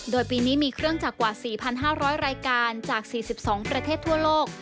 โดยปีนี้มีเครื่องจักรกว่า๔๕๐๐รายการจาก๔๒ประเทศทั่วโลก